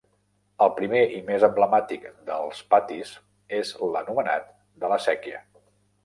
El primer -i més emblemàtic- dels patis és l'anomenat de la Séquia.